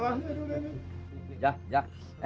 gak ada arahnya